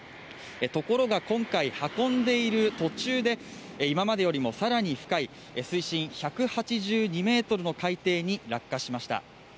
ところが、今回運んでいる途中で今までよりも更に深い水深１８２ｍの海底に落下しました。